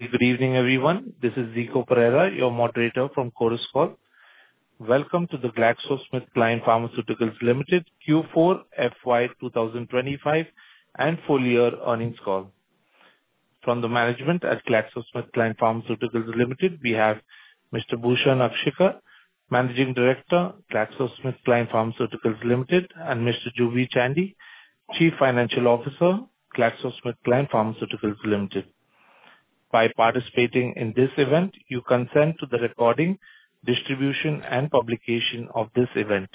Good evening, everyone. This is Zico Pereira, your moderator from Chorus Call. Welcome to the GlaxoSmithKline Pharmaceuticals Ltd Q4 FY 2025 and full-year earnings call. From the management at GlaxoSmithKline Pharmaceuticals Ltd, we have Mr. Bhushan Akshikar, Managing Director, GlaxoSmithKline Pharmaceuticals Ltd, and Mr. Juby Chandy, Chief Financial Officer, GlaxoSmithKline Pharmaceuticals Ltd. By participating in this event, you consent to the recording, distribution, and publication of this event.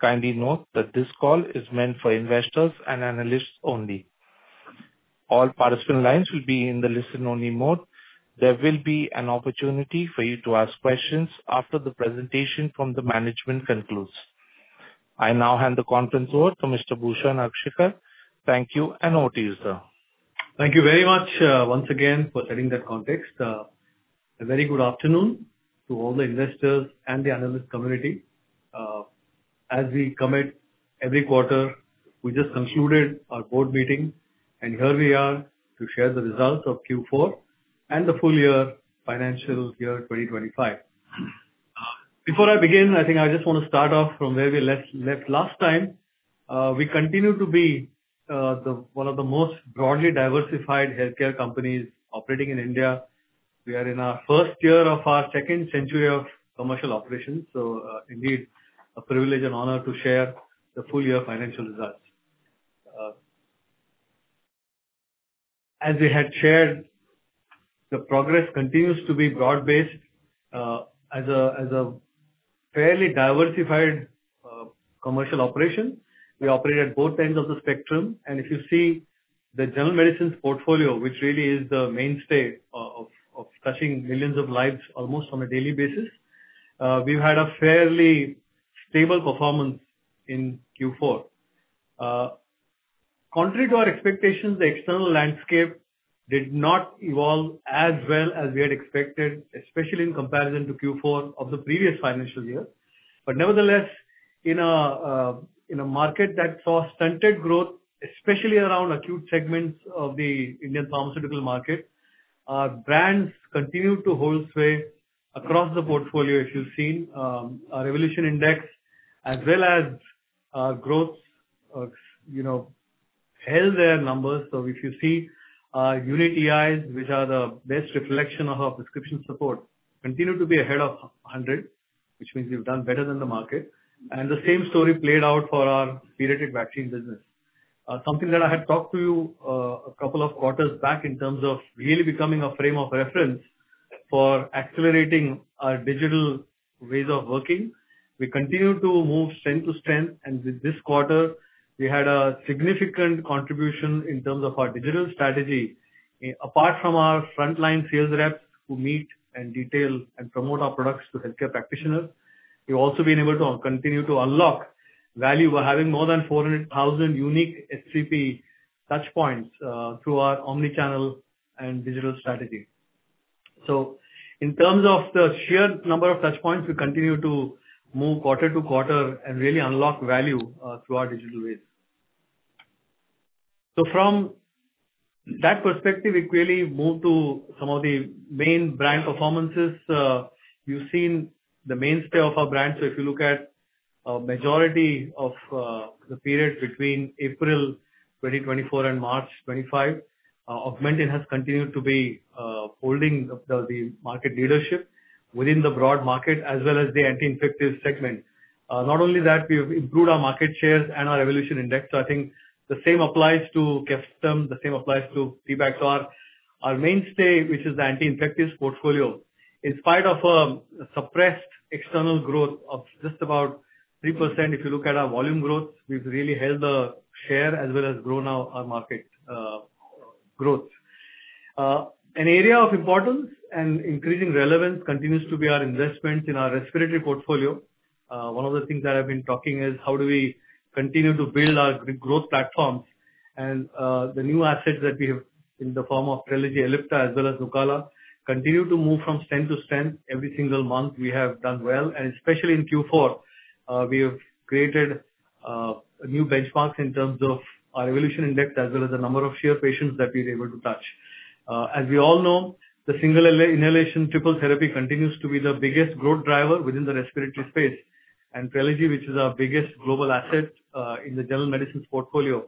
Kindly note that this call is meant for investors and analysts only. All participant lines will be in the listen-only mode. There will be an opportunity for you to ask questions after the presentation from the management concludes. I now hand the conference over to Mr. Bhushan Akshikar. Thank you, and over to you, sir. Thank you very much once again for setting that context. A very good afternoon to all the investors and the analyst community. As we commit every quarter, we just concluded our board meeting, and here we are to share the results of Q4 and the full-year financial year 2025. Before I begin, I think I just want to start off from where we left last time. We continue to be one of the most broadly diversified healthcare companies operating in India. We are in our first year of our second century of commercial operations. It is indeed a privilege and honor to share the full-year financial results. As we had shared, the progress continues to be broad-based. As a fairly diversified commercial operation, we operate at both ends of the spectrum. If you see the general medicine portfolio, which really is the mainstay of touching millions of lives almost on a daily basis, we've had a fairly stable performance in Q4. Contrary to our expectations, the external landscape did not evolve as well as we had expected, especially in comparison to Q4 of the previous financial year. Nevertheless, in a market that saw stunted growth, especially around acute segments of the Indian pharmaceutical market, our brands continued to hold sway across the portfolio, as you've seen. Our evolution index, as well as our growth, held their numbers. If you see our unit EIs, which are the best reflection of our prescription support, they continue to be ahead of 100, which means we've done better than the market. The same story played out for our periodic vaccine business. Something that I had talked to you a couple of quarters back in terms of really becoming a frame of reference for accelerating our digital ways of working. We continue to move strength to strength. With this quarter, we had a significant contribution in terms of our digital strategy. Apart from our frontline sales reps who meet and detail and promote our products to healthcare practitioners, we've also been able to continue to unlock value. We're having more than 400,000 unique HCP touchpoints through our omnichannel and digital strategy. In terms of the sheer number of touchpoints, we continue to move quarter to quarter and really unlock value through our digital ways. From that perspective, we quickly move to some of the main brand performances. You've seen the mainstay of our brand. If you look at the majority of the period between April 2024 and March 2025, Augmentin has continued to be holding the market leadership within the broad market, as well as the anti-infective segment. Not only that, we have improved our market shares and our evolution index. I think the same applies to CEFTUM. The same applies to T-BACT. Our mainstay, which is the anti-infective portfolio, in spite of a suppressed external growth of just about 3%, if you look at our volume growth, we've really held the share as well as grown our market growth. An area of importance and increasing relevance continues to be our investments in our respiratory portfolio. One of the things that I've been talking is how do we continue to build our growth platforms. The new assets that we have in the form of TRELEGY ELLIPTA, as well as NUCALA, continue to move from strength to strength every single month. We have done well. Especially in Q4, we have created new benchmarks in terms of our evolution index as well as the number of sheer patients that we were able to touch. As we all know, the single inhalation triple therapy continues to be the biggest growth driver within the respiratory space. TRELEGY, which is our biggest global asset in the general medicine portfolio,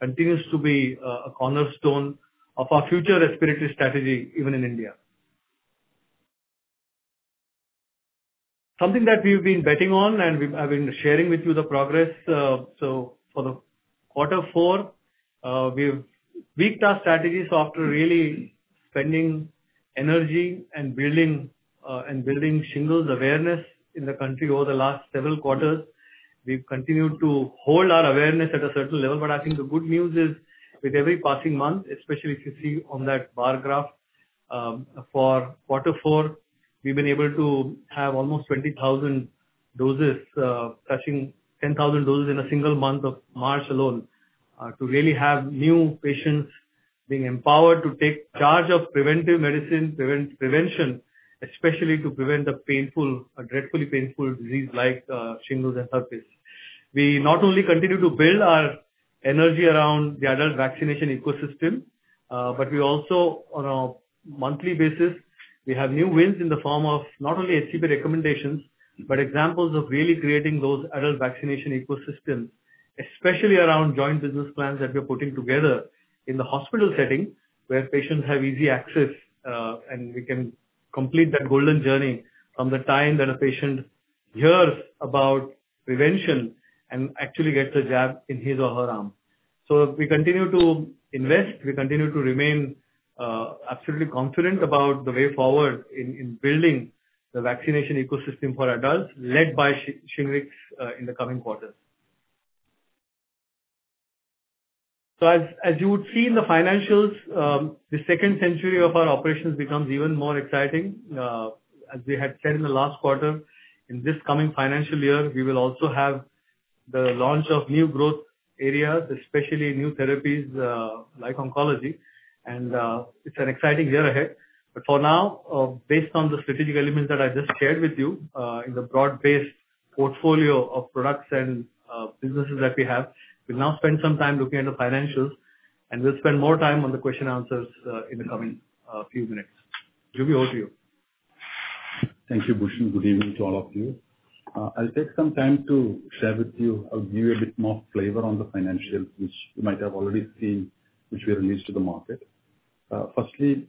continues to be a cornerstone of our future respiratory strategy, even in India. Something that we've been betting on and I've been sharing with you the progress. For quarter four, we've tweaked our strategy, really spending energy and building shingles awareness in the country over the last several quarters. We've continued to hold our awareness at a certain level. I think the good news is with every passing month, especially if you see on that bar graph for quarter four, we've been able to have almost 20,000 doses, touching 10,000 doses in a single month of March alone, to really have new patients being empowered to take charge of preventive medicine prevention, especially to prevent the painful, dreadfully painful disease like shingles and herpes. We not only continue to build our energy around the adult vaccination ecosystem, but we also, on a monthly basis, have new wins in the form of not only HCP recommendations, but examples of really creating those adult vaccination ecosystems, especially around joint business plans that we are putting together in the hospital setting, where patients have easy access and we can complete that golden journey from the time that a patient hears about prevention and actually gets a jab in his or her arm. We continue to invest. We continue to remain absolutely confident about the way forward in building the vaccination ecosystem for adults, led by SHINGRIX in the coming quarters. As you would see in the financials, the second century of our operations becomes even more exciting. As we had said in the last quarter, in this coming financial year, we will also have the launch of new growth areas, especially new therapies like oncology. It is an exciting year ahead. For now, based on the strategic elements that I just shared with you in the broad-based portfolio of products and businesses that we have, we will now spend some time looking at the financials, and we will spend more time on the question and answers in the coming few minutes. Juby, over to you. Thank you, Bhushan. Good evening to all of you. I'll take some time to share with you or give you a bit more flavor on the financials, which you might have already seen, which we released to the market. Firstly,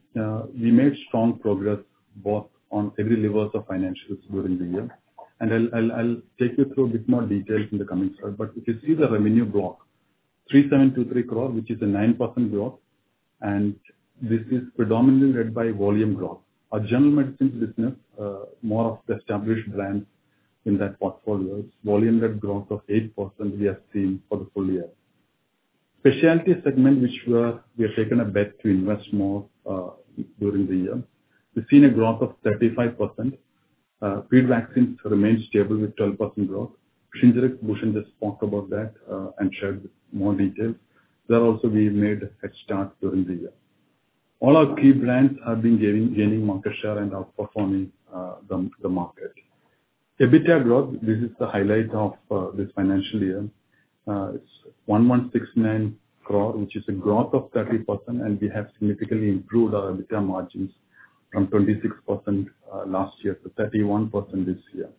we made strong progress both on every level of financials during the year. I'll take you through a bit more detail in the coming slide. If you see the revenue block, 3,723 crore, which is a 9% growth, and this is predominantly led by volume growth. Our general medicine business, more of the established brands in that portfolio, volume led growth of 8% we have seen for the full year. Specialty segment, which we have taken a bet to invest more during the year, we've seen a growth of 35%. Flu vaccines remained stable with 12% growth. SHINGRIX, Bhushan just talked about that and shared more details. There also, we made head start during the year. All our key brands have been gaining market share and outperforming the market. EBITDA growth, this is the highlight of this financial year. It is 1,169 crore, which is a growth of 30%, and we have significantly improved our EBITDA margins from 26% last year to 31% this year.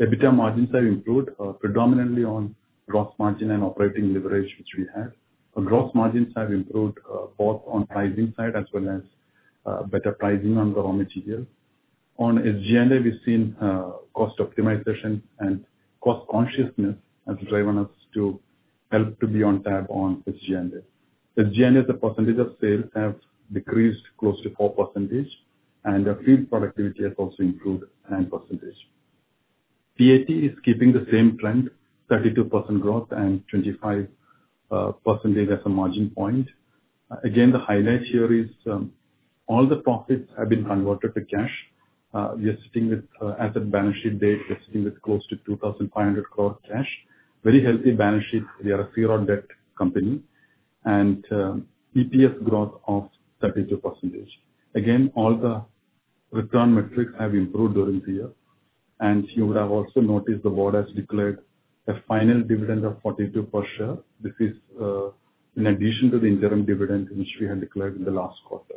EBITDA margins have improved predominantly on gross margin and operating leverage, which we have. Our gross margins have improved both on pricing side as well as better pricing on the raw material. On SG&A, we have seen cost optimization and cost consciousness as a driver to help to be on tab on SG&A. SG&A's percentage of sales has decreased close to 4%, and our field productivity has also improved 9%. PAT is keeping the same trend, 32% growth and 25% as a margin point. Again, the highlight here is all the profits have been converted to cash. We are sitting with asset balance sheet date, we're sitting with close to 2,500 crore cash. Very healthy balance sheet. We are a zero-debt company. EPS growth of 32%. Again, all the return metrics have improved during the year. You would have also noticed the board has declared a final dividend of 42 per share. This is in addition to the interim dividend, which we had declared in the last quarter.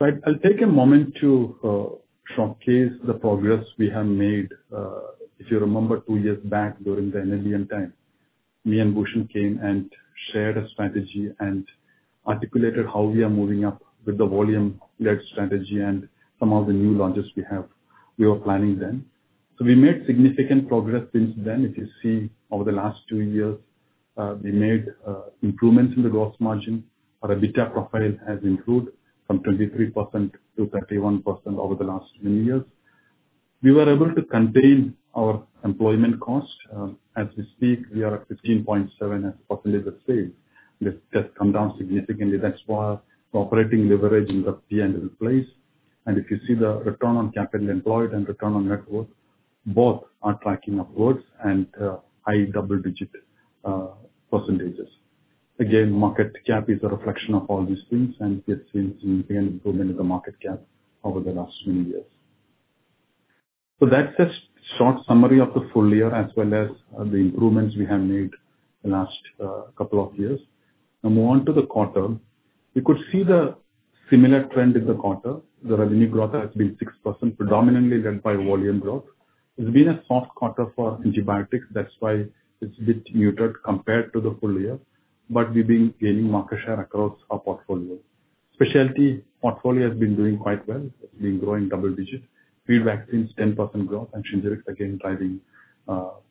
I'll take a moment to showcase the progress we have made. If you remember two years back during the NLEM time, me and Bhushan came and shared a strategy and articulated how we are moving up with the volume-led strategy and some of the new launches we were planning then. We made significant progress since then. If you see over the last two years, we made improvements in the gross margin. Our EBITDA profile has improved from 23% to 31% over the last many years. We were able to contain our employment cost. As we speak, we are at 15.7% as percentage of sales. This has come down significantly. That is why the operating leverage in the end of the place. If you see the return on capital employed and return on net worth, both are tracking upwards and high double-digit percentages. Again, market cap is a reflection of all these things, and we have seen significant improvement in the market cap over the last many years. That is a short summary of the full year as well as the improvements we have made the last couple of years. Now, moving on to the quarter, you could see the similar trend in the quarter. The revenue growth has been 6%, predominantly led by volume growth. It's been a soft quarter for antibiotics. That is why it's a bit muted compared to the full year. We have been gaining market share across our portfolio. Specialty portfolio has been doing quite well. It's been growing double-digit. Flu vaccines 10% growth and SHINGRIX again driving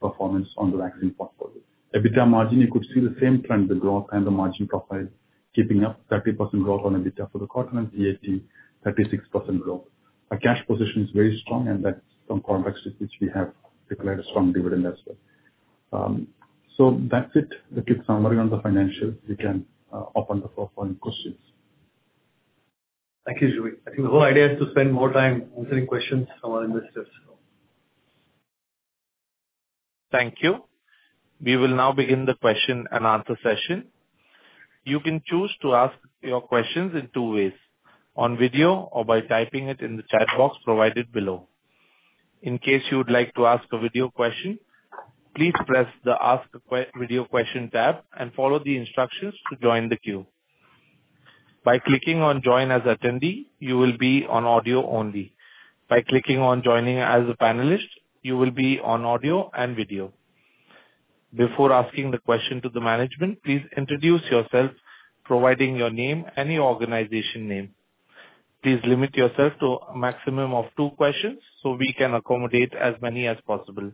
performance on the vaccine portfolio. EBITDA margin, you could see the same trend, the growth and the margin profile keeping up 30% growth on EBITDA for the quarter and PAT 36% growth. Our cash position is very strong, and that is some context in which we have declared a strong dividend as well. That is it. That is it summary on the financials. We can open the floor for any questions. Thank you, Juby. I think the whole idea is to spend more time answering questions from our investors. Thank you. We will now begin the question and answer session. You can choose to ask your questions in two ways: on video or by typing it in the chat box provided below. In case you would like to ask a video question, please press the Ask Video Question tab and follow the instructions to join the queue. By clicking on Join as Attendee, you will be on audio only. By clicking on Joining as a Panelist, you will be on audio and video. Before asking the question to the management, please introduce yourself, providing your name and your organization name. Please limit yourself to a maximum of two questions so we can accommodate as many as possible.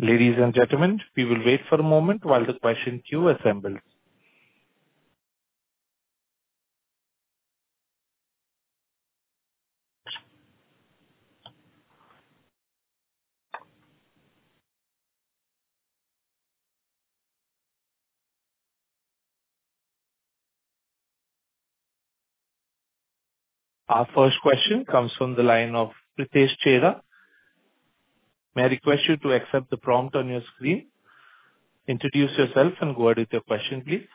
Ladies and gentlemen, we will wait for a moment while the question queue assembles. Our first question comes from the line of Pritesh Chheda. May I request you to accept the prompt on your screen? Introduce yourself and go ahead with your question, please.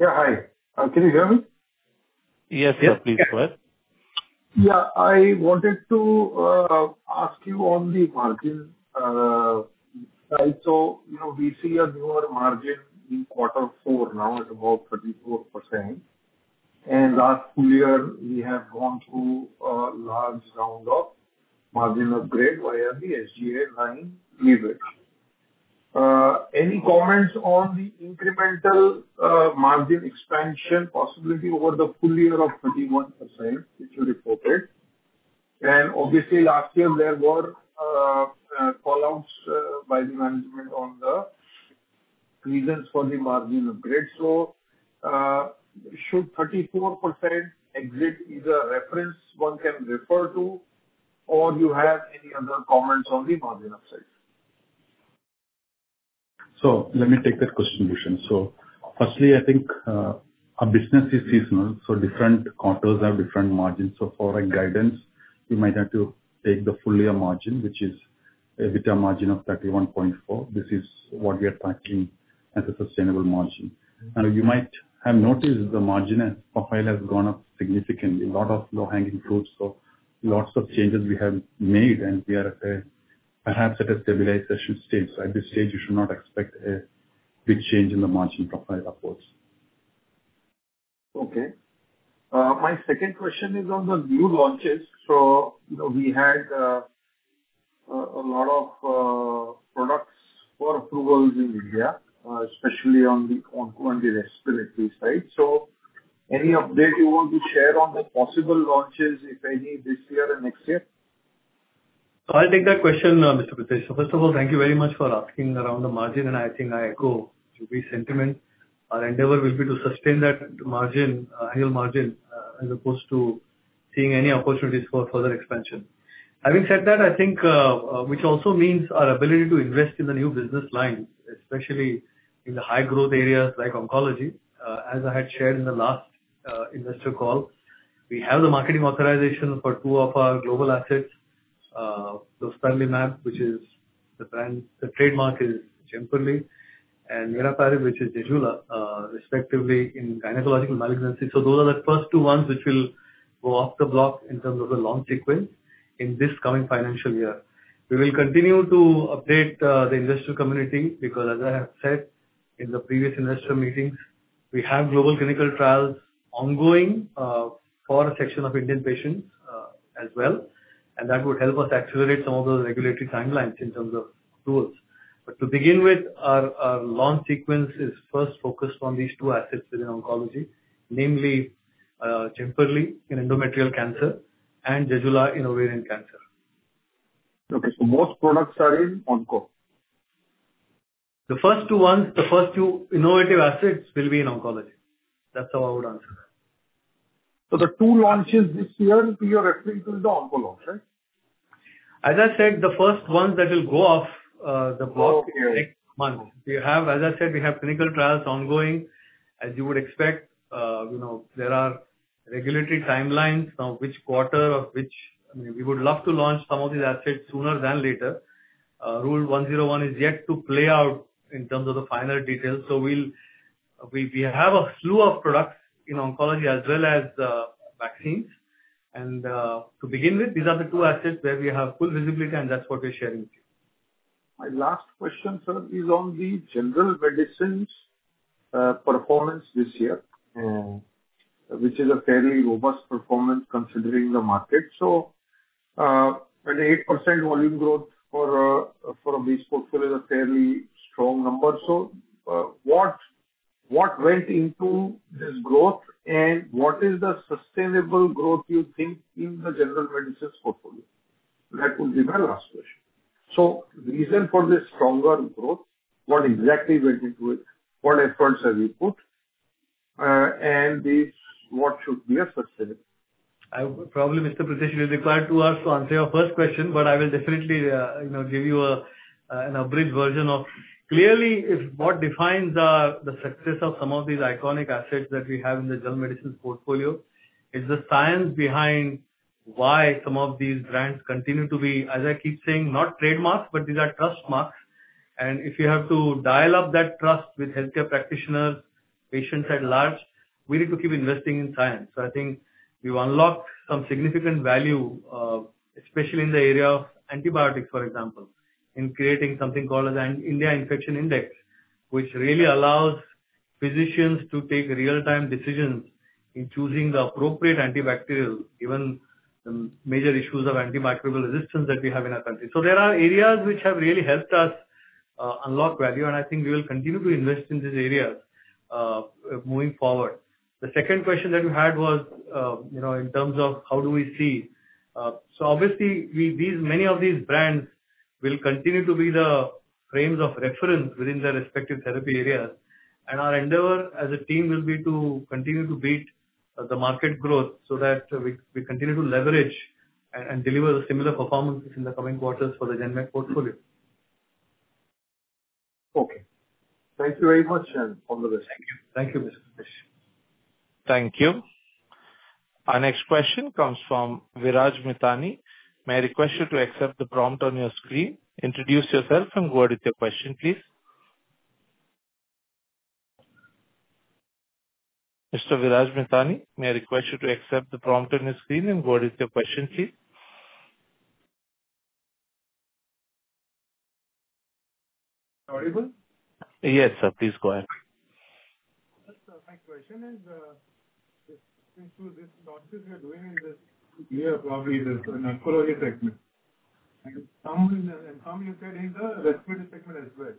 Yeah, hi. Can you hear me? Yes, sir. Please go ahead. Yeah. I wanted to ask you on the margin side. We see a newer margin in quarter four now at about 34%. Last full year, we have gone through a large round of margin upgrade via the SG&A line leverage. Any comments on the incremental margin expansion possibility over the full year of 31%, which you reported? Obviously, last year, there were callouts by the management on the reasons for the margin upgrade. Should 34% exit be a reference one can refer to, or do you have any other comments on the margin upside? Let me take that question, Bhushan. Firstly, I think our business is seasonal, so different quarters have different margins. For our guidance, we might have to take the full year margin, which is EBITDA margin of 31.4%. This is what we are tracking as a sustainable margin. You might have noticed the margin profile has gone up significantly. A lot of low-hanging fruits. Lots of changes we have made, and we are perhaps at a stabilization stage. At this stage, you should not expect a big change in the margin profile upwards. Okay. My second question is on the new launches. We had a lot of products for approvals in India, especially on the respiratory side. Any update you want to share on the possible launches, if any, this year and next year? I'll take that question, Mr. Pritesh. First of all, thank you very much for asking around the margin, and I think I echo Juby's sentiment. Our endeavor will be to sustain that margin, annual margin, as opposed to seeing any opportunities for further expansion. Having said that, I think which also means our ability to invest in the new business lines, especially in the high-growth areas like oncology. As I had shared in the last investor call, we have the marketing authorization for two of our global assets, dostarlimab, which is the brand, the trademark is JEMPERLI, and niraparib, which is ZEJULA, respectively in gynecological malignancy. Those are the first two ones which will go off the block in terms of the launch sequence in this coming financial year. We will continue to update the investor community because, as I have said in the previous investor meetings, we have global clinical trials ongoing for a section of Indian patients as well. That would help us accelerate some of those regulatory timelines in terms of tools. To begin with, our launch sequence is first focused on these two assets within oncology, namely JEMPERLI in endometrial cancer and ZEJULA in ovarian cancer. Okay. So most products are in onco? The first two ones, the first two innovative assets will be in oncology. That's how I would answer that. The two launches this year, you're referring to the onco launch, right? As I said, the first ones that will go off the block next month. As I said, we have clinical trials ongoing. As you would expect, there are regulatory timelines of which quarter of which we would love to launch some of these assets sooner than later. Rule 101 is yet to play out in terms of the final details. We have a slew of products in oncology as well as vaccines. To begin with, these are the two assets where we have full visibility, and that's what we're sharing with you. My last question, sir, is on the general medicines performance this year, which is a fairly robust performance considering the market. An 8% volume growth for a base portfolio is a fairly strong number. What went into this growth, and what is the sustainable growth you think in the general medicines portfolio? That would be my last question. The reason for this stronger growth, what exactly went into it? What efforts have you put? What should be a sustainable? I would probably, Mr. Pritesh, you required two hours to answer your first question, but I will definitely give you an abridged version of clearly what defines the success of some of these iconic assets that we have in the general medicines portfolio is the science behind why some of these brands continue to be, as I keep saying, not trademarks, but these are trust marks. If you have to dial up that trust with healthcare practitioners, patients at large, we need to keep investing in science. I think we've unlocked some significant value, especially in the area of antibiotics, for example, in creating something called the India Infection Index, which really allows physicians to take real-time decisions in choosing the appropriate antibacterial, given the major issues of antimicrobial resistance that we have in our country. There are areas which have really helped us unlock value, and I think we will continue to invest in these areas moving forward. The second question that you had was in terms of how do we see? Obviously, many of these brands will continue to be the frames of reference within their respective therapy areas. Our endeavor as a team will be to continue to beat the market growth so that we continue to leverage and deliver similar performances in the coming quarters for the gen med portfolio. Okay. Thank you very much, and all the best. Thank you. Thank you, Mr. Pritesh. Thank you. Our next question comes from Viraj Mithani. May I request you to accept the prompt on your screen? Introduce yourself and go ahead with your question, please. Mr. Viraj Mithani, may I request you to accept the prompt on your screen and go ahead with your question, please? Audible? Yes, sir. Please go ahead. Yes, sir. My question is, since this launch is we are doing in this year, probably in the oncology segment, and some you said in the respiratory segment as well.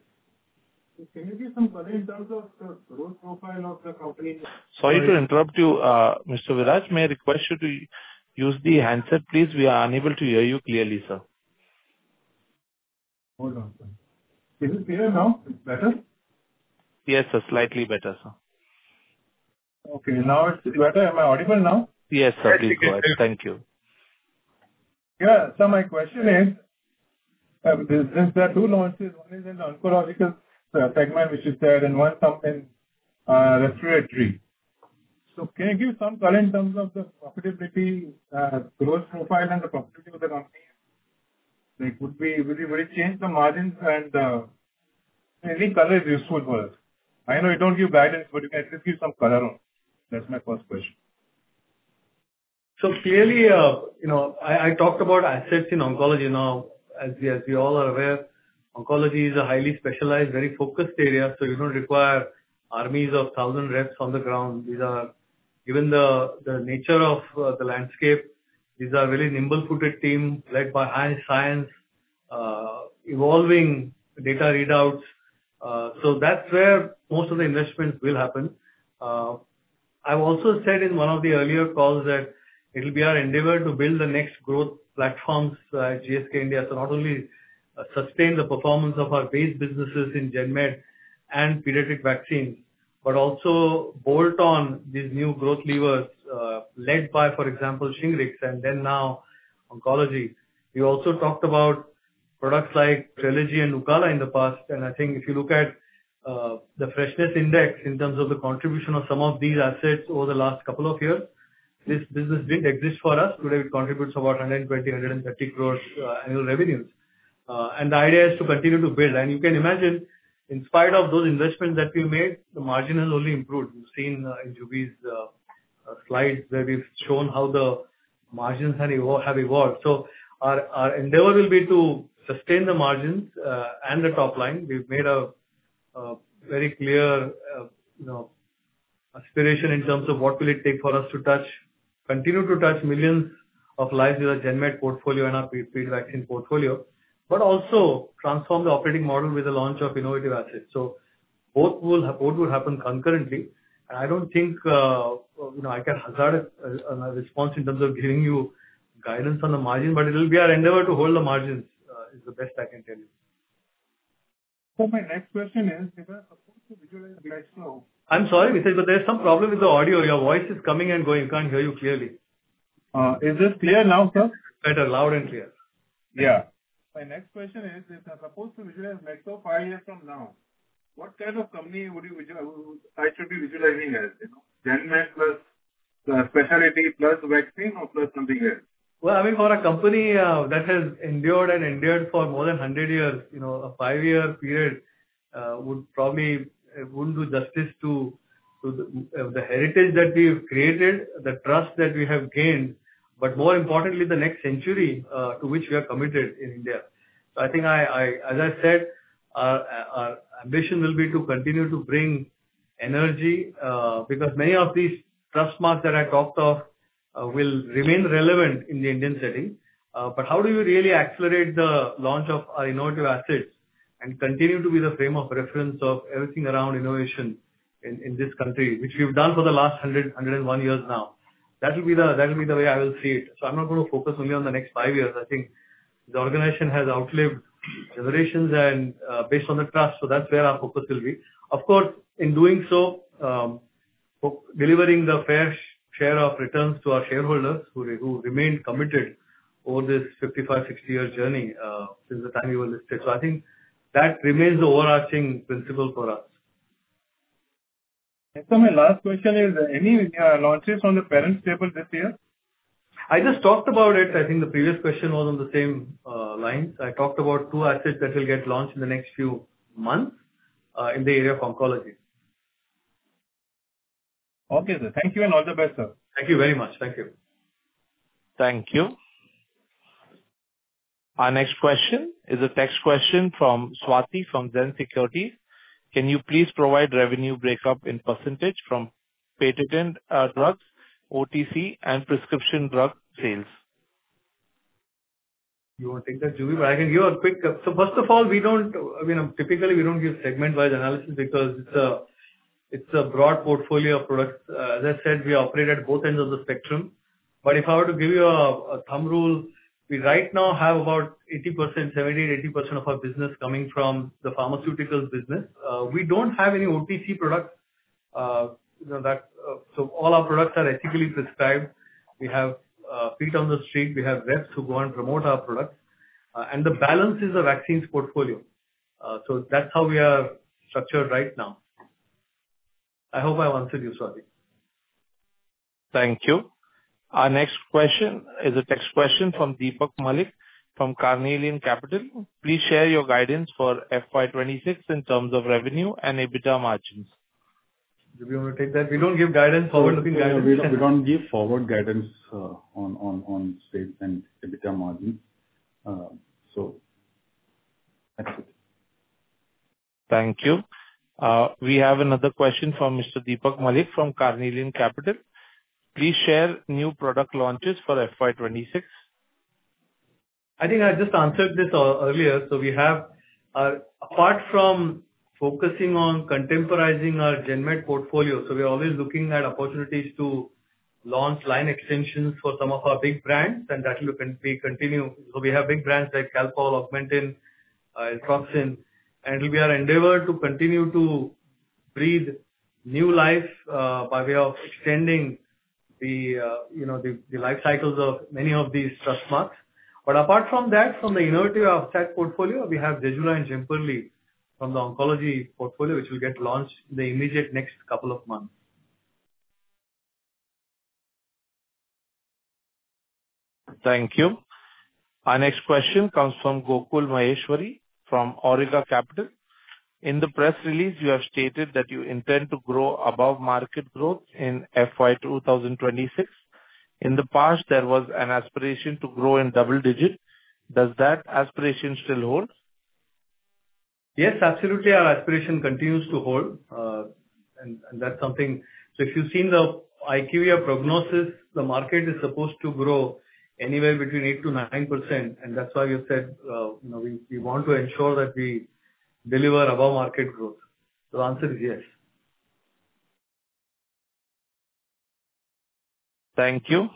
Can you give some color in terms of the growth profile of the company? Sorry to interrupt you, Mr. Viraj. May I request you to use the handset, please? We are unable to hear you clearly, sir. Hold on. Can you hear me now? Is it better? Yes, sir. Slightly better, sir. Okay. Now it's better. Am I audible now? Yes, sir. Please go ahead. Thank you. Yeah. My question is, since there are two launches, one is in the oncological segment, which you said, and one something respiratory. Can you give some color in terms of the profitability, growth profile, and the profitability of the company? Will it change the margins? Any color is useful for us. I know you do not give guidance, but you can at least give some color on. That is my first question. Clearly, I talked about assets in oncology. Now, as we all are aware, oncology is a highly specialized, very focused area. You do not require armies of thousand reps on the ground. Given the nature of the landscape, these are really nimble-footed teams led by high science, evolving data readouts. That is where most of the investments will happen. I have also said in one of the earlier calls that it will be our endeavor to build the next growth platforms at GSK India. Not only sustain the performance of our base businesses in gen med and pediatric vaccines, but also bolt on these new growth levers led by, for example, SHINGRIX and then now oncology. We also talked about products like TRELEGY and NUCALA in the past. I think if you look at the freshness index in terms of the contribution of some of these assets over the last couple of years, this business did not exist for us. Today, it contributes about 120 crore-130 crore annual revenues. The idea is to continue to build. You can imagine, in spite of those investments that we made, the margin has only improved. You have seen in Juby's slides where we have shown how the margins have evolved. Our endeavor will be to sustain the margins and the top line. We have made a very clear aspiration in terms of what it will take for us to continue to touch millions of lives with a gen med portfolio and a pediatric vaccine portfolio, but also transform the operating model with the launch of innovative assets. Both will happen concurrently. I do not think I can hazard a response in terms of giving you guidance on the margin, but it will be our endeavor to hold the margins is the best I can tell you. My next question is, if I'm supposed to visualize Glaxo— I'm sorry, Pritesh, but there's some problem with the audio. Your voice is coming and going. We can't hear you clearly. Is this clear now, sir? Better. Loud and clear. Yeah. My next question is, if I'm supposed to visualize Glaxo five years from now, what kind of company would you—who I should be visualizing as? Gen med plus specialty plus vaccine or plus something else? I mean, for a company that has endured and endured for more than 100 years, a five-year period would probably do justice to the heritage that we've created, the trust that we have gained, but more importantly, the next century to which we are committed in India. I think, as I said, our ambition will be to continue to bring energy because many of these trust marks that I talked of will remain relevant in the Indian setting. How do you really accelerate the launch of our innovative assets and continue to be the frame of reference of everything around innovation in this country, which we've done for the last 101 years now? That will be the way I will see it. I'm not going to focus only on the next five years. I think the organization has outlived generations and based on the trust. That's where our focus will be. Of course, in doing so, delivering the fair share of returns to our shareholders who remained committed over this 55-60 year journey since the time we were listed. I think that remains the overarching principle for us. My last question is, any launches on the parent's table this year? I just talked about it. I think the previous question was on the same lines. I talked about two assets that will get launched in the next few months in the area of oncology. Okay, sir. Thank you and all the best, sir. Thank you very much. Thank you. Thank you. Our next question is a text question from Swathi from Zen Securities. Can you please provide revenue breakup in percentage from patented drugs, OTC, and prescription drug sales? You want to take that, Juby? I can give you a quick—first of all, we do not—I mean, typically, we do not give segment-wise analysis because it is a broad portfolio of products. As I said, we operate at both ends of the spectrum. If I were to give you a thumb rule, we right now have about 70%-80% of our business coming from the pharmaceutical business. We do not have any OTC products. All our products are ethically prescribed. We have feet on the street. We have reps who go and promote our products. The balance is the vaccines portfolio. That is how we are structured right now. I hope I have answered you, Swathi. Thank you. Our next question is a text question from Deepak Malik from Carnelian Capital. Please share your guidance for FY 2026 in terms of revenue and EBITDA margins. Juby, you want to take that? We do not give guidance forward. We don't give forward guidance on sales and EBITDA margins. That's it. Thank you. We have another question from Mr. Deepak Malik from Carnelian Capital. Please share new product launches for FY 2026. I think I just answered this earlier. Apart from focusing on contemporizing our GenMed portfolio, we are always looking at opportunities to launch line extensions for some of our big brands, and that will be continued. We have big brands like CALPOL, AUGMENTIN, Eltroxin. It will be our endeavor to continue to breathe new life by way of extending the life cycles of many of these trust marks. Apart from that, from the innovative offset portfolio, we have ZEDJULA and JEMPERLI from the oncology portfolio, which will get launched in the immediate next couple of months. Thank you. Our next question comes from Gokul Maheshwari from Awriga Capital. In the press release, you have stated that you intend to grow above market growth in FY 2026. In the past, there was an aspiration to grow in double digit. Does that aspiration still hold? Yes, absolutely. Our aspiration continues to hold. And that's something—so if you've seen the IQVIA prognosis, the market is supposed to grow anywhere between 8%-9%. And that's why we said we want to ensure that we deliver above market growth. The answer is yes. Thank you.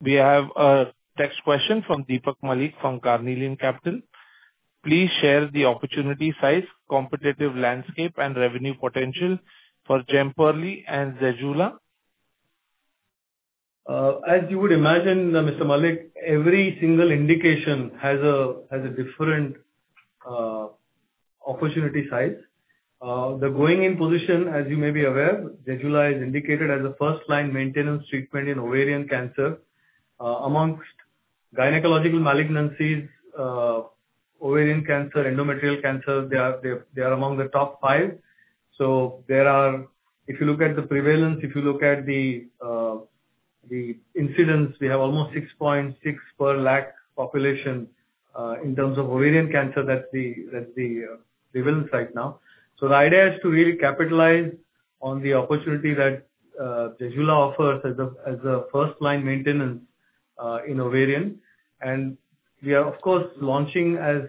We have a text question from Deepak Malik from Carnelian Capital. Please share the opportunity size, competitive landscape, and revenue potential for JEMPERLI and ZEJULA. As you would imagine, Mr. Malik, every single indication has a different opportunity size. The going-in position, as you may be aware, ZEJULA is indicated as a first-line maintenance treatment in ovarian cancer. Among gynecological malignancies, ovarian cancer, endometrial cancer, they are among the top five. If you look at the prevalence, if you look at the incidence, we have almost 6.6 per 100,000 population in terms of ovarian cancer. That's the prevalence right now. The idea is to really capitalize on the opportunity that ZEJULA offers as a first-line maintenance in ovarian. We are, of course, launching as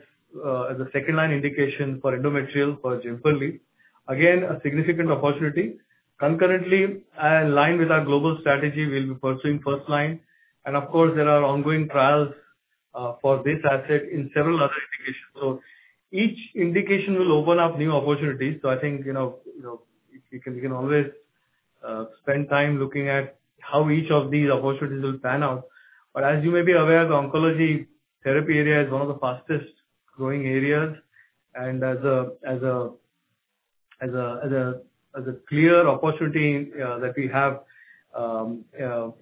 a second-line indication for endometrial for JEMPERLI. Again, a significant opportunity. Concurrently, in line with our global strategy, we'll be pursuing first-line. There are ongoing trials for this asset in several other indications. Each indication will open up new opportunities. I think you can always spend time looking at how each of these opportunities will pan out. As you may be aware, the oncology therapy area is one of the fastest-growing areas. As a clear opportunity that we have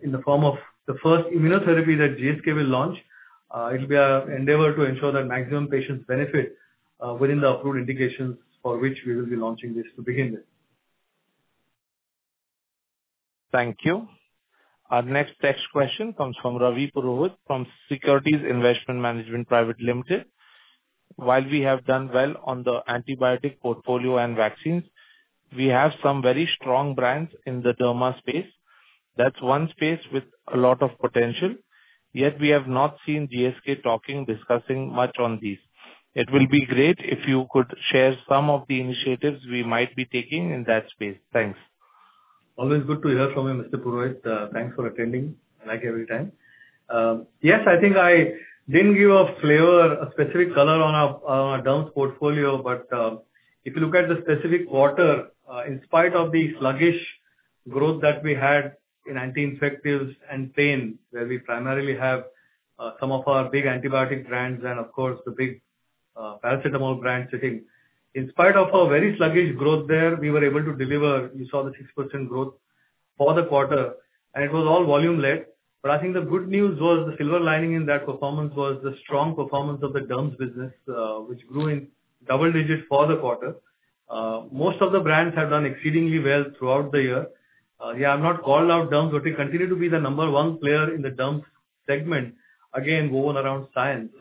in the form of the first immunotherapy that GSK will launch, it will be our endeavor to ensure that maximum patients benefit within the approved indications for which we will be launching this to begin with. Thank you. Our next text question comes from Ravi Purohit from Securities Investment Management Pvt Ltd. While we have done well on the antibiotic portfolio and vaccines, we have some very strong brands in the derma space. That is one space with a lot of potential. Yet we have not seen GSK talking, discussing much on these. It will be great if you could share some of the initiatives we might be taking in that space. Thanks. Always good to hear from you, Mr. Purohit. Thanks for attending. I like every time. Yes, I think I did not give a flavor, a specific color on our derma portfolio. If you look at the specific quarter, in spite of the sluggish growth that we had in anti-infectives and pain, where we primarily have some of our big antibiotic brands and, of course, the big paracetamol brands sitting, in spite of our very sluggish growth there, we were able to deliver. You saw the 6% growth for the quarter. It was all volume-led. I think the good news was the silver lining in that performance was the strong performance of the derms business, which grew in double digit for the quarter. Most of the brands have done exceedingly well throughout the year. Yeah, I have not called out derms, but we continue to be the number one player in the derms segment, again, woven around science.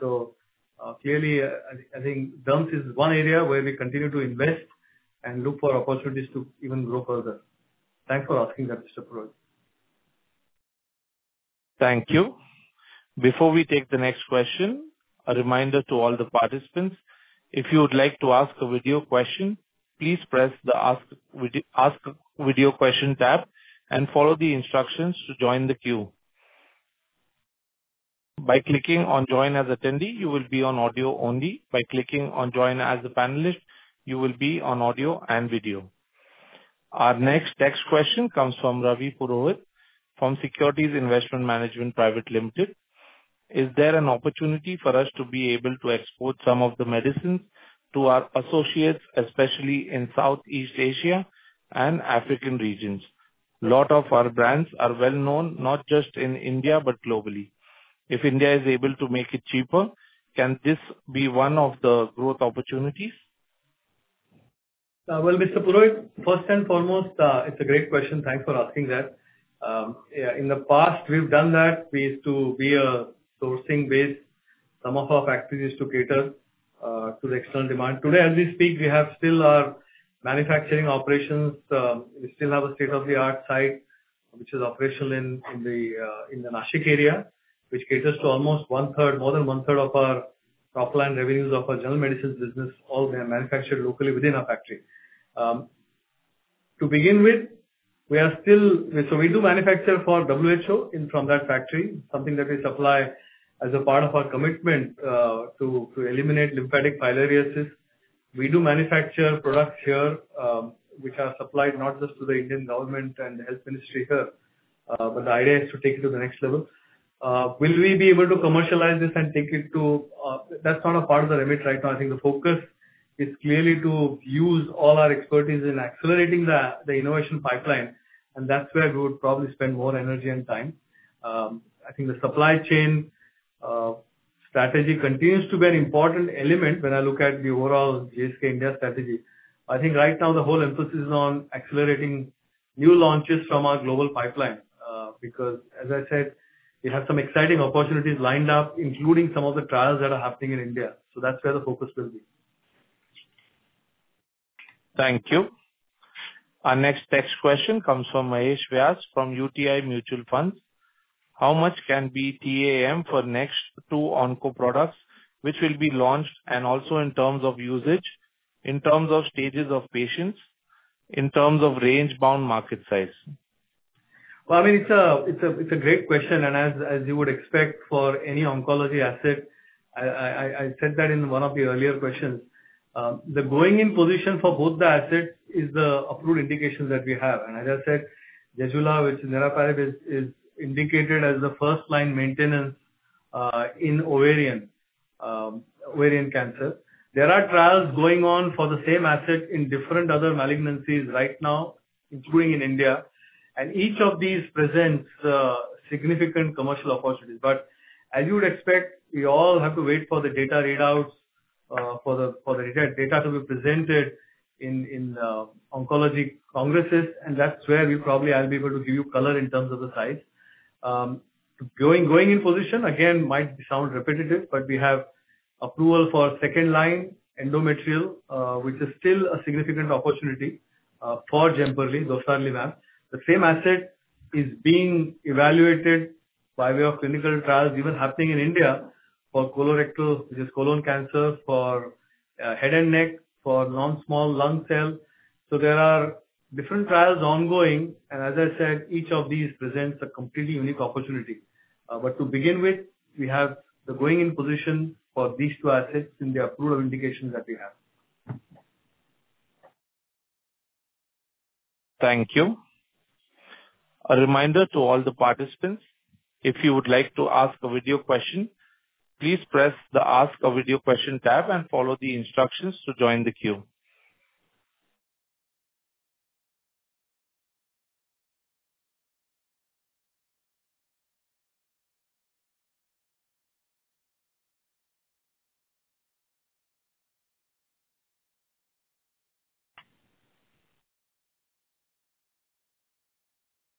Clearly, I think derms is one area where we continue to invest and look for opportunities to even grow further. Thanks for asking that, Mr. Purohit. Thank you. Before we take the next question, a reminder to all the participants. If you would like to ask a video question, please press the Ask Video Question tab and follow the instructions to join the queue. By clicking on Join as Attendee, you will be on audio only. By clicking on Join as a Panelist, you will be on audio and video. Our next text question comes from Ravi Purohit from Securities Investment Management Pvt Ltd. Is there an opportunity for us to be able to export some of the medicines to our associates, especially in Southeast Asia and African regions? A lot of our brands are well-known, not just in India, but globally. If India is able to make it cheaper, can this be one of the growth opportunities? Mr. Purohit, first and foremost, it's a great question. Thanks for asking that. In the past, we've done that. We used to be a sourcing-based sum of our factories to cater to the external demand. Today, as we speak, we have still our manufacturing operations. We still have a state-of-the-art site which is operational in the Nashik area, which caters to almost one-third, more than one-third of our top-line revenues of our general medicines business. All they are manufactured locally within our factory. To begin with, we are still—so we do manufacture for WHO from that factory, something that we supply as a part of our commitment to eliminate lymphatic filariasis. We do manufacture products here, which are supplied not just to the Indian government and the health ministry here, but the idea is to take it to the next level. Will we be able to commercialize this and take it to—that's not a part of the remit right now. I think the focus is clearly to use all our expertise in accelerating the innovation pipeline. I think that's where we would probably spend more energy and time. I think the supply chain strategy continues to be an important element when I look at the overall GSK India strategy. I think right now the whole emphasis is on accelerating new launches from our global pipeline because, as I said, we have some exciting opportunities lined up, including some of the trials that are happening in India. That's where the focus will be. Thank you. Our next text question comes from Mahesh Vyas from UTI Mutual Funds. How much can be TAM for next two onco products, which will be launched and also in terms of usage, in terms of stages of patients, in terms of range-bound market size? I mean, it's a great question. As you would expect for any oncology asset, I said that in one of the earlier questions. The going-in position for both the assets is the approved indications that we have. As I said, ZEJULA, which is niraparib, is indicated as the first-line maintenance in ovarian cancer. There are trials going on for the same asset in different other malignancies right now, including in India. Each of these presents significant commercial opportunities. As you would expect, we all have to wait for the data readouts, for the data to be presented in oncology congresses. That's where we probably will be able to give you color in terms of the size. Going-in position, again, might sound repetitive, but we have approval for second-line endometrial, which is still a significant opportunity for JEMPERLI, dostarlimab. The same asset is being evaluated by way of clinical trials, even happening in India, for colorectal, which is colon cancer, for head and neck, for non-small lung cell. There are different trials ongoing. As I said, each of these presents a completely unique opportunity. To begin with, we have the going-in position for these two assets in the approved indications that we have. Thank you. A reminder to all the participants. If you would like to ask a video question, please press the Ask a Video Question tab and follow the instructions to join the queue.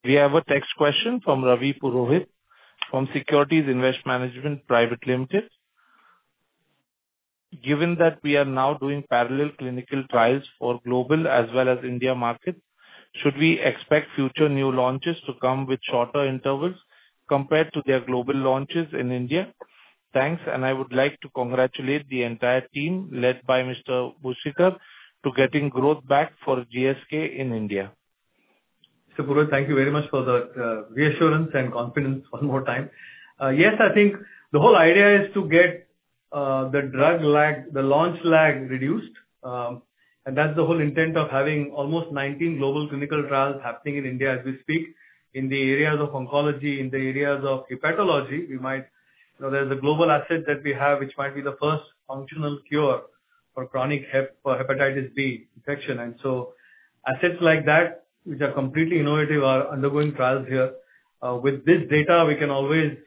We have a text question from Ravi Purohit from Securities Investment Management Pvt Ltd. Given that we are now doing parallel clinical trials for global as well as India market, should we expect future new launches to come with shorter intervals compared to their global launches in India? Thanks. I would like to congratulate the entire team led by Mr. Akshikar for getting growth back for GSK in India. Mr. Purohit, thank you very much for the reassurance and confidence one more time. Yes, I think the whole idea is to get the drug lag, the launch lag, reduced. That is the whole intent of having almost 19 global clinical trials happening in India as we speak in the areas of oncology, in the areas of hepatology. There is a global asset that we have, which might be the first functional cure for chronic hepatitis B infection. Assets like that, which are completely innovative, are undergoing trials here. With this data, we can always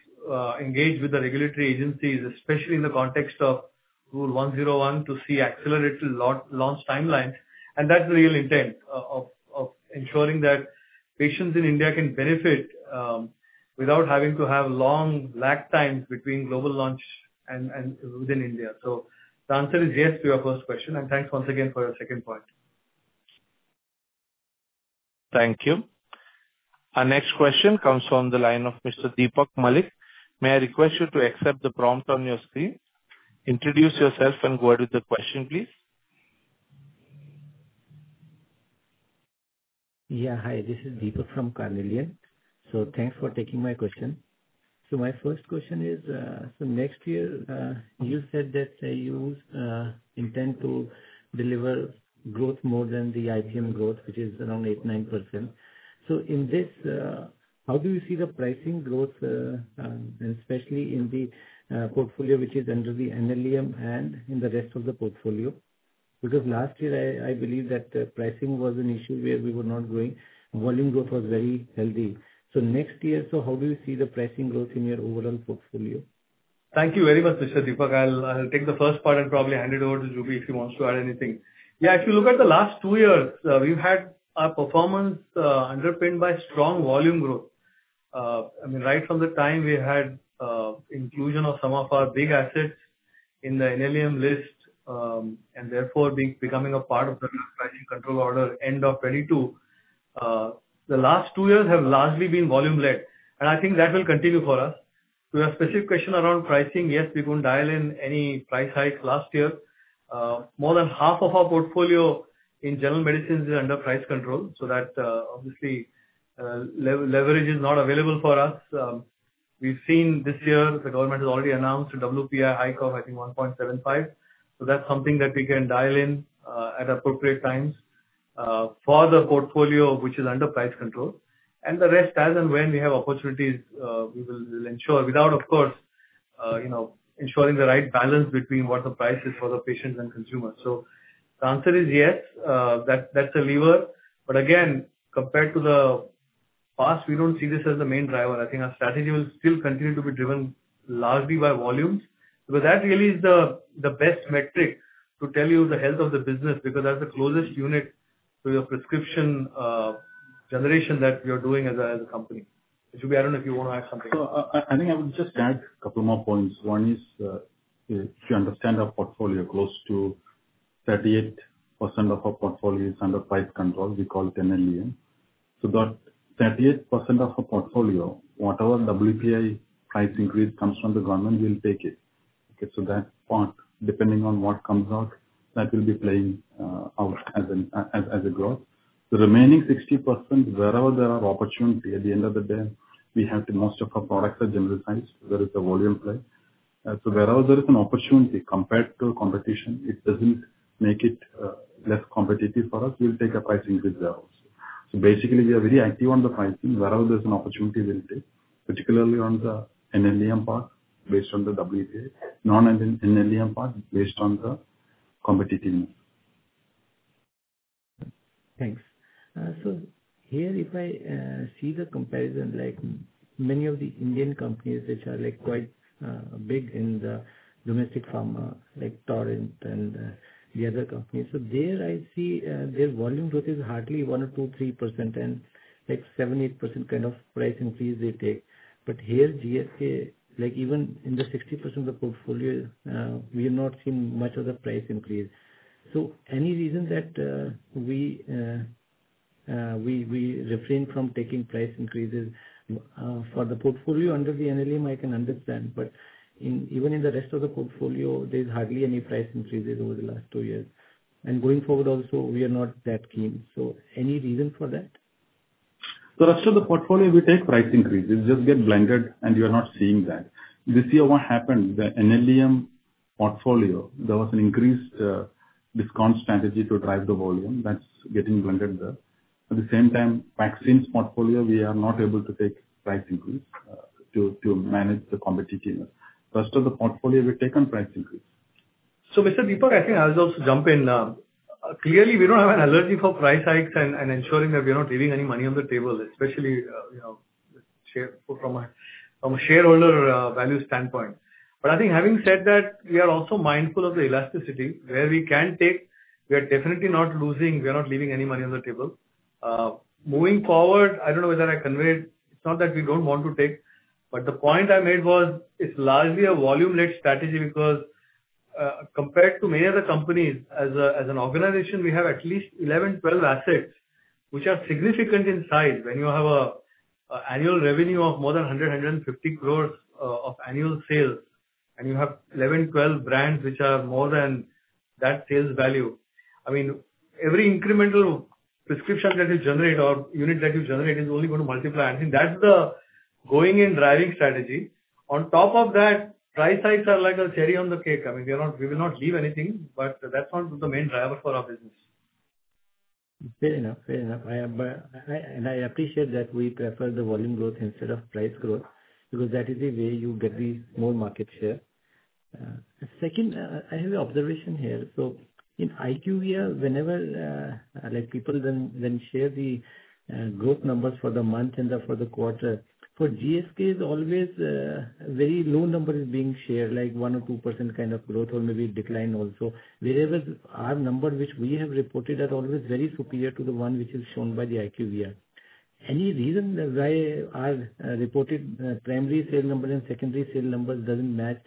engage with the regulatory agencies, especially in the context of Rule 101, to see accelerated launch timelines. That is the real intent of ensuring that patients in India can benefit without having to have long lag times between global launch and within India. The answer is yes to your first question. Thanks once again for your second point. Thank you. Our next question comes from the line of Mr. Deepak Malik. May I request you to accept the prompt on your screen? Introduce yourself and go ahead with the question, please. Yeah, hi. This is Deepak from Carnelian. Thanks for taking my question. My first question is, next year, you said that you intend to deliver growth more than the IPM growth, which is around 8%-9%. In this, how do you see the pricing growth, especially in the portfolio which is under the NLEM and in the rest of the portfolio? Last year, I believe that the pricing was an issue where we were not going. Volume growth was very healthy. Next year, how do you see the pricing growth in your overall portfolio? Thank you very much, Mr. Deepak. I'll take the first part and probably hand it over to Juby if he wants to add anything. Yeah, if you look at the last two years, we've had our performance underpinned by strong volume growth. I mean, right from the time we had inclusion of some of our big assets in the NLEM list and therefore becoming a part of the pricing control order end of 2022, the last two years have largely been volume-led. I think that will continue for us. To your specific question around pricing, yes, we couldn't dial in any price hikes last year. More than half of our portfolio in general medicines is under price control. That obviously leverage is not available for us. We've seen this year, the government has already announced a WPI hike of, I think, 1.75%. That's something that we can dial in at appropriate times for the portfolio, which is under price control. The rest, as and when we have opportunities, we will ensure, of course, ensuring the right balance between what the price is for the patients and consumers. The answer is yes. That's a lever. Again, compared to the past, we do not see this as the main driver. I think our strategy will still continue to be driven largely by volumes. That really is the best metric to tell you the health of the business because that's the closest unit to the prescription generation that we are doing as a company. Juby, I do not know if you want to add something. I think I would just add a couple more points. One is, if you understand our portfolio, close to 38% of our portfolio is under price control. We call it NLEM. That 38% of our portfolio, whatever WPI price increase comes from the government, we'll take it. That part, depending on what comes out, that will be playing out as a growth. The remaining 60%, wherever there are opportunities, at the end of the day, most of our products are general size. There is a volume play. Wherever there is an opportunity compared to competition, it does not make it less competitive for us. We'll take a price increase there also. Basically, we are very active on the pricing. Wherever there's an opportunity, we'll take it, particularly on the NLEM part based on the WPI, non-NLEM part based on the competitiveness. Thanks. Here, if I see the comparison, many of the Indian companies which are quite big in the domestic pharma, like Torrent and the other companies, I see their volume growth is hardly 1% or 2%, 3%, and 7%-8% kind of price increase they take. Here, GSK, even in the 60% of the portfolio, we have not seen much of the price increase. Any reason that we refrain from taking price increases for the portfolio under the NLEM, I can understand. Even in the rest of the portfolio, there is hardly any price increase over the last two years. Going forward also, we are not that keen. Any reason for that? After the portfolio, we take price increases. Just get blinded, and you are not seeing that. This year, what happened? The NLEM portfolio, there was an increased discount strategy to drive the volume. That is getting blinded there. At the same time, vaccines portfolio, we are not able to take price increase to manage the competitiveness. After the portfolio, we have taken price increase. Mr. Deepak, I think I'll just jump in. Clearly, we don't have an allergy for price hikes and ensuring that we are not leaving any money on the table, especially from a shareholder value standpoint. I think having said that, we are also mindful of the elasticity where we can take. We are definitely not losing. We are not leaving any money on the table. Moving forward, I don't know whether I conveyed. It's not that we don't want to take. The point I made was it's largely a volume-led strategy because compared to many other companies, as an organization, we have at least 11-12 assets which are significant in size. When you have an annual revenue of more than 100 crore-150 crore of annual sales, and you have 11-12 brands which are more than that sales value, I mean, every incremental prescription that you generate or unit that you generate is only going to multiply. I think that's the going-in driving strategy. On top of that, price hikes are like a cherry on the cake. I mean, we will not leave anything, but that's not the main driver for our business. Fair enough. Fair enough. I appreciate that we prefer the volume growth instead of price growth because that is the way you get more market share. Second, I have an observation here. In IQVIA, whenever people then share the growth numbers for the month and for the quarter, for GSK, always very low numbers are being shared, like 1% or 2% kind of growth or maybe decline also. Wherever our number, which we have reported, are always very superior to the one which is shown by IQVIA. Any reason why our reported primary sale numbers and secondary sale numbers do not match?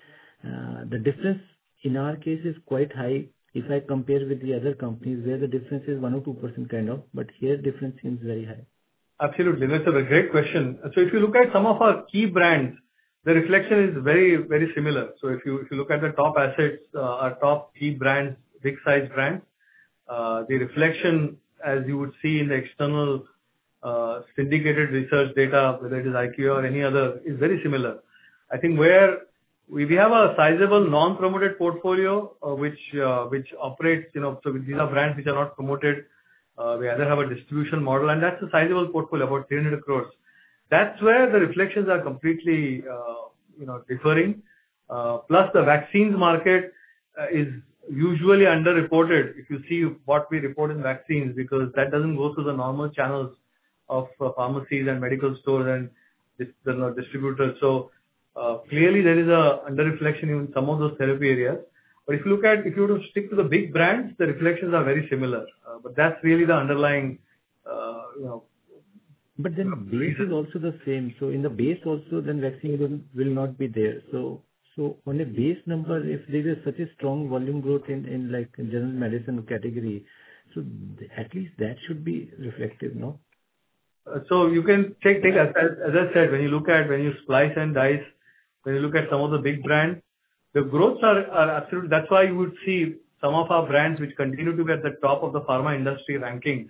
The difference in our case is quite high. If I compare with the other companies, where the difference is 1% or 2% kind of, but here, the difference seems very high. Absolutely. That's a great question. If you look at some of our key brands, the reflection is very, very similar. If you look at the top assets, our top key brands, big-size brands, the reflection, as you would see in the external syndicated research data, whether it is IQVIA or any other, is very similar. I think where we have a sizable non-promoted portfolio, which operates, these are brands which are not promoted. We either have a distribution model, and that's a sizable portfolio, about 300 crore. That's where the reflections are completely differing. Plus, the vaccines market is usually underreported. If you see what we report in vaccines, because that does not go through the normal channels of pharmacies and medical stores and distributors. Clearly, there is an under-reflection in some of those therapy areas. If you look at if you were to stick to the big brands, the reflections are very similar. That is really the underlying. Then the base is also the same. In the base also, vaccine will not be there. On the base number, if there is such a strong volume growth in general medicine category, at least that should be reflected, no? You can take as I said, when you look at when you slice and dice, when you look at some of the big brands, the growths are absolutely, that's why you would see some of our brands which continue to be at the top of the pharma industry rankings.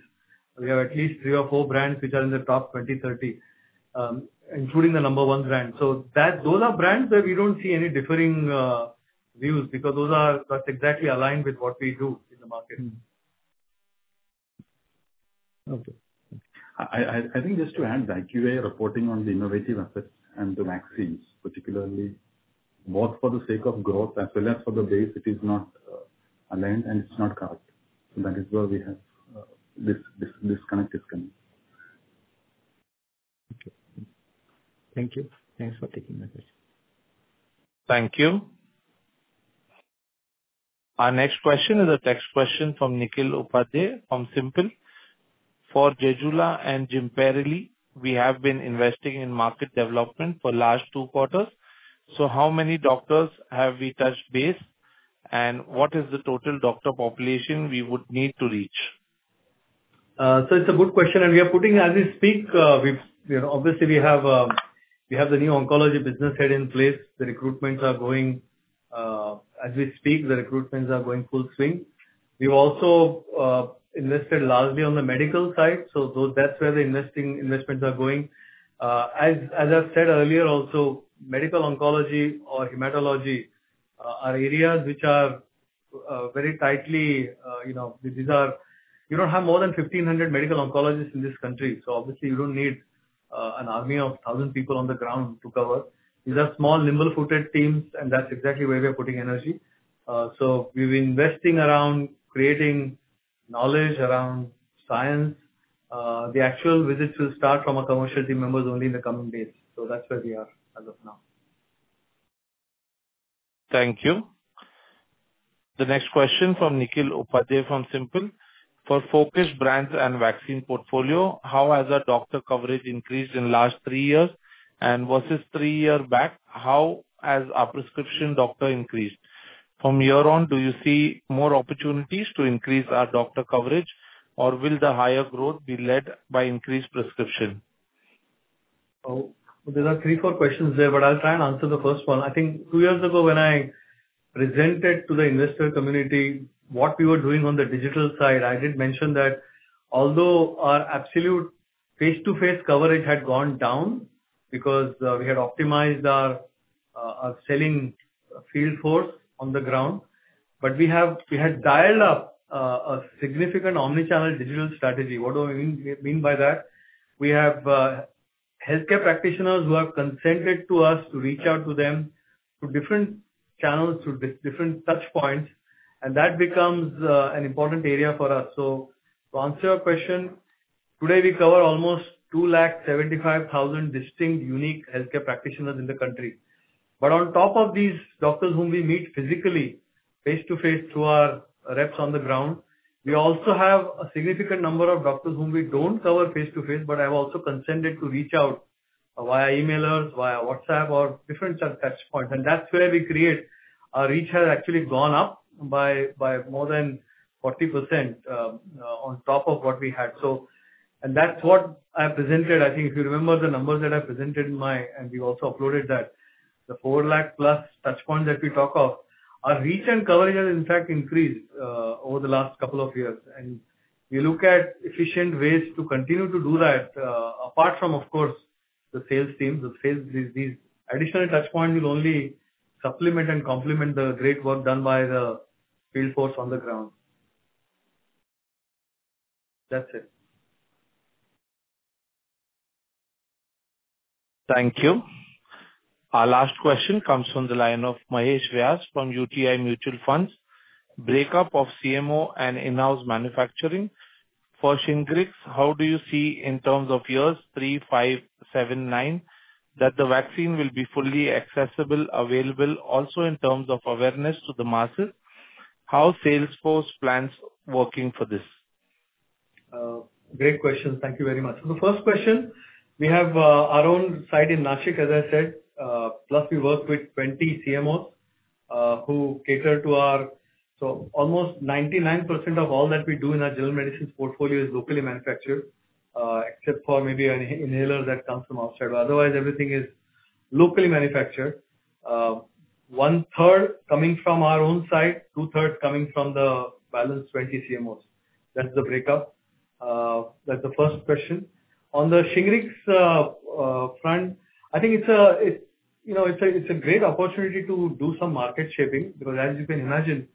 We have at least three or four brands which are in the top 20, 30, including the number one brand. Those are brands where we do not see any differing views because that is exactly aligned with what we do in the market. Okay. I think just to add, IQVIA is reporting on the innovative efforts and the vaccines, particularly both for the sake of growth as well as for the base. It is not aligned, and it's not correct. That is where we have this disconnect is coming. Okay. Thank you. Thanks for taking my question. Thank you. Our next question is a text question from Nikhil Upadhyay from SiMPL. For ZEJULA and JEMPERLI, we have been investing in market development for the last two quarters. So how many doctors have we touched base, and what is the total doctor population we would need to reach? It's a good question. We are putting, as we speak, obviously, we have the new oncology business head in place. The recruitments are going, as we speak, the recruitments are going full swing. We've also invested largely on the medical side. That's where the investments are going. As I've said earlier also, medical oncology or hematology are areas which are very tightly, you don't have more than 1,500 medical oncologists in this country. Obviously, you don't need an army of 1,000 people on the ground to cover. These are small, nimble-footed teams, and that's exactly where we are putting energy. We're investing around creating knowledge around science. The actual visits will start from our commercial team members only in the coming days. That's where we are as of now. Thank you. The next question from Nikhil Upadhyay from SiMPL. For focused brands and vaccine portfolio, how has our doctor coverage increased in the last three years? Versus three years back, how has our prescription doctor increased? From here on, do you see more opportunities to increase our doctor coverage, or will the higher growth be led by increased prescription? There are three, four questions there, but I'll try and answer the first one. I think two years ago, when I presented to the investor community what we were doing on the digital side, I did mention that although our absolute face-to-face coverage had gone down because we had optimized our selling field force on the ground, we had dialed up a significant omnichannel digital strategy. What do I mean by that? We have healthcare practitioners who have consented to us to reach out to them through different channels, through different touchpoints. That becomes an important area for us. To answer your question, today, we cover almost 275,000 distinct, unique healthcare practitioners in the country. On top of these doctors whom we meet physically, face-to-face through our reps on the ground, we also have a significant number of doctors whom we do not cover face-to-face, but have also consented to reach out via emailers, via WhatsApp, or different touchpoints. That is where we create our reach has actually gone up by more than 40% on top of what we had. That is what I presented. I think if you remember the numbers that I presented in my, and we also uploaded that, the 400,000-plus touchpoints that we talk of, our reach and coverage has, in fact, increased over the last couple of years. We look at efficient ways to continue to do that, apart from, of course, the sales team. These additional touchpoints will only supplement and complement the great work done by the field force on the ground. That is it. Thank you. Our last question comes from the line of Mahesh Vyas from UTI Mutual Funds. Breakup of CMO and in-house manufacturing. For SHINGRIX, how do you see in terms of years 3, 5, 7, 9 that the vaccine will be fully accessible, available also in terms of awareness to the masses? How is Salesforce planned working for this? Great question. Thank you very much. The first question, we have our own site in Nashik, as I said. Plus, we work with 20 CMOs who cater to us, so almost 99% of all that we do in our general medicine portfolio is locally manufactured, except for maybe an inhaler that comes from outside. Otherwise, everything is locally manufactured. One-third coming from our own site, two-thirds coming from the balance 20 CMOs. That is the breakup. That is the first question. On the SHINGRIX front, I think it is a great opportunity to do some market shaping because, as you can imagine,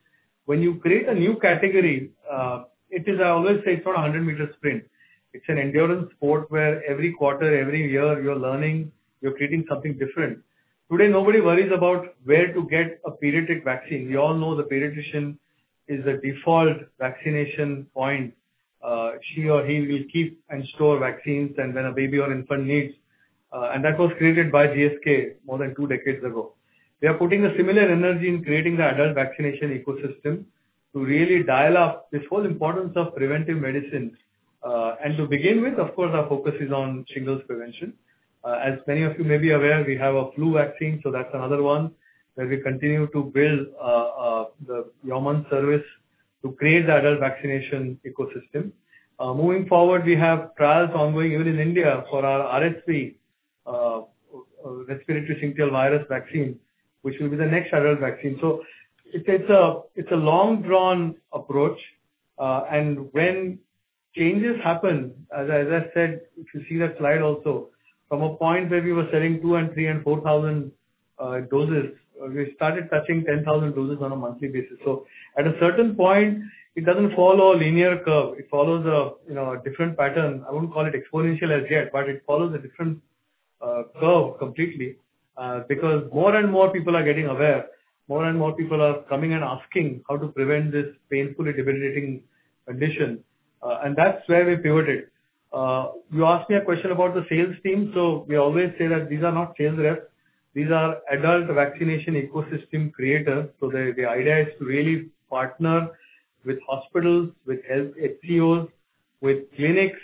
when you create a new category, it is, I always say, it is not a 100-meter sprint. It is an endurance sport where every quarter, every year, you are learning, you are creating something different. Today, nobody worries about where to get a pediatric vaccine. We all know the pediatrician is the default vaccination point. She or he will keep and store vaccines and when a baby or infant needs. That was created by GSK more than two decades ago. We are putting a similar energy in creating the adult vaccination ecosystem to really dial up this whole importance of preventive medicine. To begin with, of course, our focus is on shingles prevention. As many of you may be aware, we have a flu vaccine. That is another one where we continue to build the yeoman service to create the adult vaccination ecosystem. Moving forward, we have trials ongoing even in India for our RSV, respiratory syncytial virus vaccine, which will be the next adult vaccine. It is a long-drawn approach. When changes happen, as I said, if you see that slide also, from a point where we were selling 2,000, 3,000, and 4,000 doses, we started touching 10,000 doses on a monthly basis. At a certain point, it does not follow a linear curve. It follows a different pattern. I would not call it exponential as yet, but it follows a different curve completely because more and more people are getting aware. More and more people are coming and asking how to prevent this painfully debilitating condition. That is where we pivoted. You asked me a question about the sales team. We always say that these are not sales reps. These are adult vaccination ecosystem creators. The idea is to really partner with hospitals, with health NGOs, with clinics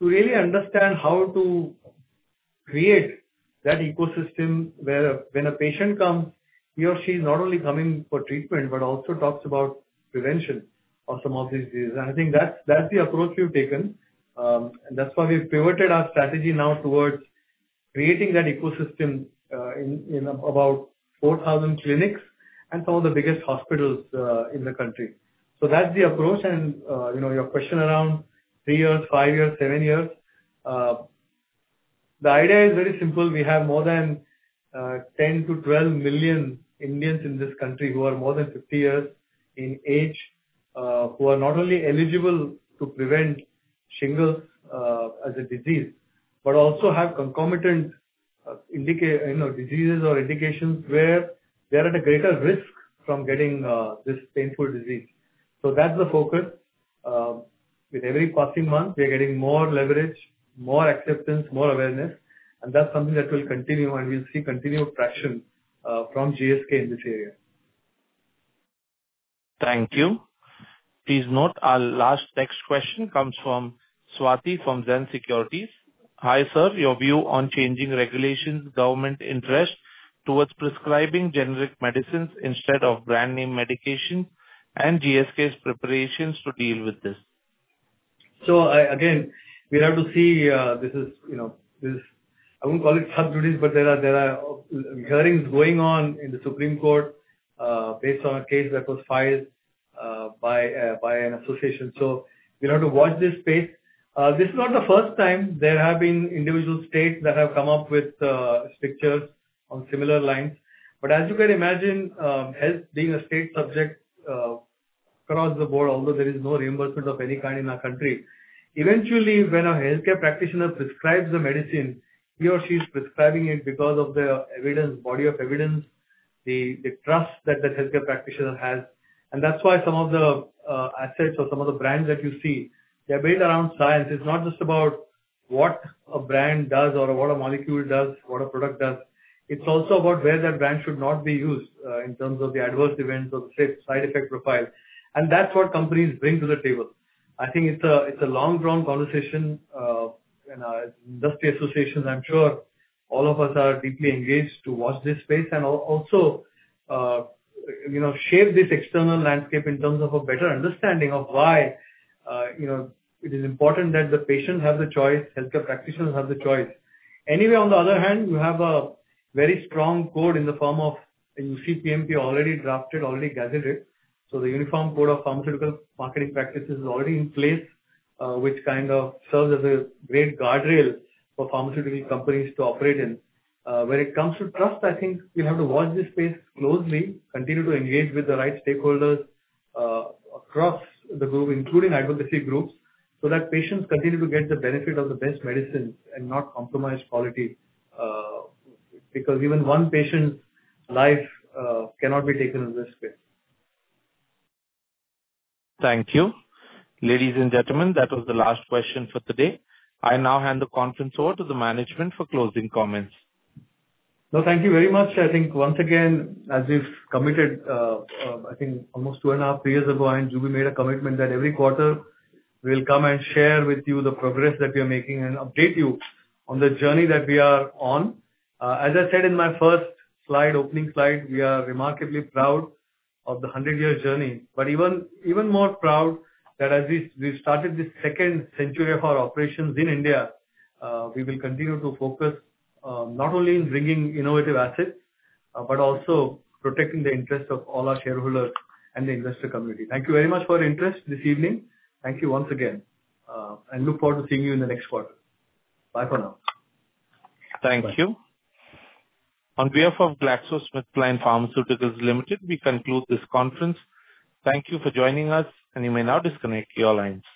to really understand how to create that ecosystem where when a patient comes, he or she is not only coming for treatment, but also talks about prevention of some of these diseases. I think that's the approach we've taken. That's why we've pivoted our strategy now towards creating that ecosystem in about 4,000 clinics and some of the biggest hospitals in the country. That's the approach. Your question around three years, five years, seven years, the idea is very simple. We have more than 10-12 million Indians in this country who are more than 50 years in age who are not only eligible to prevent shingles as a disease, but also have concomitant diseases or indications where they're at a greater risk from getting this painful disease. That's the focus. With every passing month, we are getting more leverage, more acceptance, more awareness. That is something that will continue, and we will see continued traction from GSK in this area. Thank you. Please note, our last text question comes from Swathi from Zen Securities. Hi, sir. Your view on changing regulations, government interest towards prescribing generic medicines instead of brand-name medications, and GSK's preparations to deal with this? Again, we have to see this. I wouldn't call it sub-disease, but there are hearings going on in the Supreme Court based on a case that was filed by an association. We have to watch this space. This is not the first time there have been individual states that have come up with strictures on similar lines. As you can imagine, health being a state subject across the board, although there is no reimbursement of any kind in our country, eventually, when a healthcare practitioner prescribes the medicine, he or she is prescribing it because of the body of evidence, the trust that the healthcare practitioner has. That is why some of the assets or some of the brands that you see, they are built around science. It is not just about what a brand does or what a molecule does, what a product does. It's also about where that brand should not be used in terms of the adverse events or the side effect profile. And that's what companies bring to the table. I think it's a long-drawn conversation. Industry associations, I'm sure all of us are deeply engaged to watch this space and also shape this external landscape in terms of a better understanding of why it is important that the patients have the choice, healthcare practitioners have the choice. Anyway, on the other hand, we have a very strong code in the form of UCPMP already drafted, already gazetted. The Uniform Code of Pharmaceutical Marketing Practices is already in place, which kind of serves as a great guardrail for pharmaceutical companies to operate in. When it comes to trust, I think we'll have to watch this space closely, continue to engage with the right stakeholders across the group, including advocacy groups, so that patients continue to get the benefit of the best medicine and not compromise quality because even one patient's life cannot be taken in this space. Thank you. Ladies and gentlemen, that was the last question for today. I now hand the conference over to the management for closing comments. No, thank you very much. I think once again, as we have committed, I think almost two and a half years ago, I and Juby made a commitment that every quarter, we will come and share with you the progress that we are making and update you on the journey that we are on. As I said in my first slide, opening slide, we are remarkably proud of the 100-year journey, but even more proud that as we have started this second century of our operations in India, we will continue to focus not only on bringing innovative assets, but also protecting the interests of all our shareholders and the industry community. Thank you very much for your interest this evening. Thank you once again. I look forward to seeing you in the next quarter. Bye for now. Thank you. On behalf of GlaxoSmithKline Pharmaceuticals Ltd, we conclude this conference. Thank you for joining us, and you may now disconnect your lines.